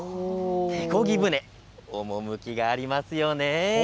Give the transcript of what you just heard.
手こぎ舟、趣がありますよね。